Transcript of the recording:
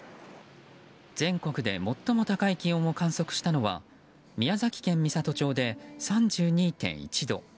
全国で最も高い気温を観測したのは宮崎県美郷町で３２．１度。